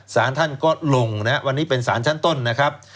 สารท่านก็ลงนะครับวันนี้เป็นสารชั้นต้นนะครับ